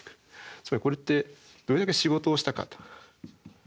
つまりこれってどれだけ仕事をしたかと。